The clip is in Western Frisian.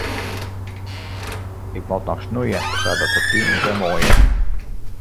Ik moat noch snoeie sadat de tún yn de maitiid wer moai is.